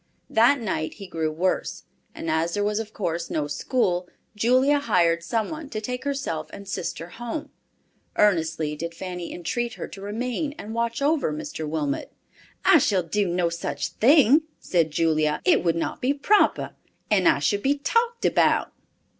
That night he grew worse, and as there was of course no school, Julia hired some one to take herself and sister home. Earnestly did Fanny entreat her to remain and watch over Mr. Wilmot. "I shall do no such thing," said Julia. "It would not be proper, and I should be talked about."